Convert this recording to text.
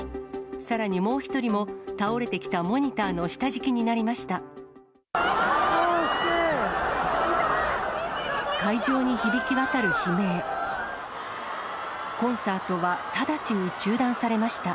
さらにもう１人も倒れてきたモニターの下敷きになりました。